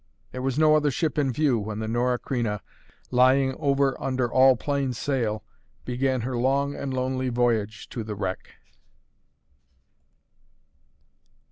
There was no other ship in view when the Norah Creina, lying over under all plain sail, began her long and lonely voyage to the wreck.